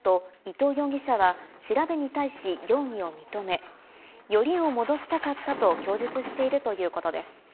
捜査関係者によりますと、伊藤容疑者は調べに対し容疑を認め、よりを戻したかったと供述しているということです。